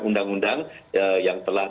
undang undang yang telah